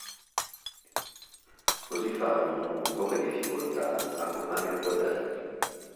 Così fanno, non con poche difficoltà, ma con magri guadagni.